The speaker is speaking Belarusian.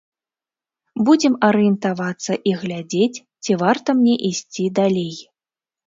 Будзем арыентавацца і глядзець, ці варта мне ісці далей.